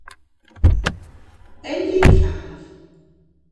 En vy klav?